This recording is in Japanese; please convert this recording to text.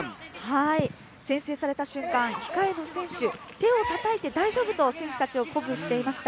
先制された瞬間、控えの選手、手をたたいて、大丈夫！と鼓舞していました。